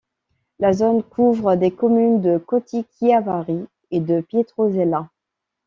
La zone couvre des communes de Coti-Chiavari et de Pietrosella.